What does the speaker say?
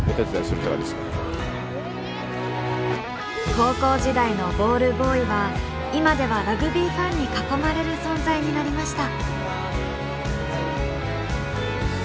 高校時代のボールボーイは今ではラグビーファンに囲まれる存在になりました。